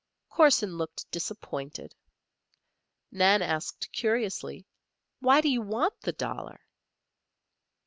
Corson looked disappointed. Nan asked, curiously: "Why do you want the dollar?"